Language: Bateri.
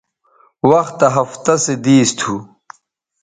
وختہ ہفتہ سو دیس تھو